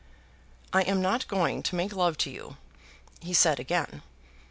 "I am not going to make love to you," he said again.